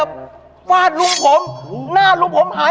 ไม่มีอะไรของเราเล่าส่วนฟังครับพี่